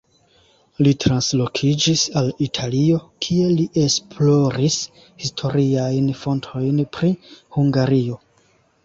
Li translokiĝis al Italio, kie li esploris historiajn fontojn pri Hungario.